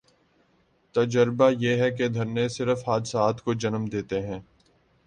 تجربہ یہ ہے کہ دھرنے صرف حادثات کو جنم دیتے ہیں۔